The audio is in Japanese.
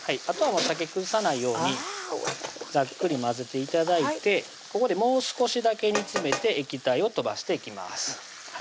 あとはさけ崩さないようにざっくり混ぜて頂いてここでもう少しだけ煮詰めて液体を飛ばしていきます